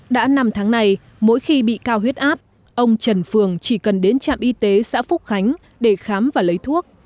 đã năm tháng này mỗi khi bị cao huyết áp ông trần phường chỉ cần đến trạm y tế xã phúc khánh để khám và lấy thuốc